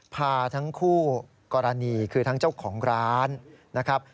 พาทั้งคู่กรณีคือทั้งเจ้าของร้านนะครับ